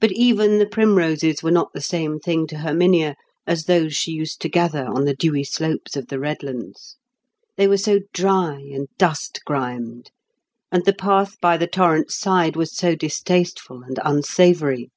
But even the primroses were not the same thing to Herminia as those she used to gather on the dewy slopes of the Redlands; they were so dry and dust grimed, and the path by the torrent's side was so distasteful and unsavory.